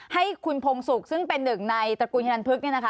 ให้คุณพงศุกร์ซึ่งเป็นหนึ่งในตระกูลธนพฤกษ์